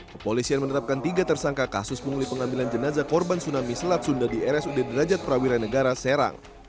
kepolisian menetapkan tiga tersangka kasus pungli pengambilan jenazah korban tsunami selat sunda di rsud derajat prawira negara serang